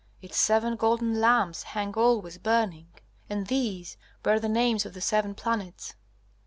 Its seven golden lamps hang always burning, and these bear the names of the seven planets.